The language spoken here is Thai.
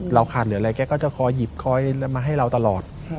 ขาดเหลืออะไรแกก็จะคอยหยิบคอยมาให้เราตลอด